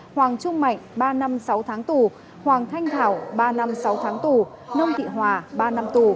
hoàng trung mạnh ba năm sáu tháng tù hoàng thanh thảo ba năm sáu tháng tù nông thị hòa ba năm tù